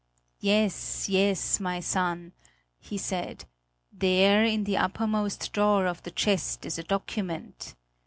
"Yes, yes, my son," he said; "there in the uppermost drawer of the chest is a document.